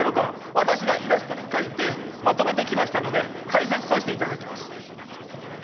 私がイラストに描いてまとめてきましたので解説させて頂きます。